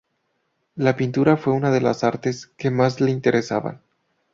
La pintura fue una de las artes que más le interesaban.